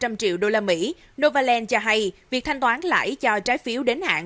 trong lúc chuyển đổi trị giá ba trăm linh triệu usd novaland cho hay việc thanh toán lãi cho trái phiếu đến hạn